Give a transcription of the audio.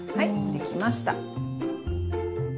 できました。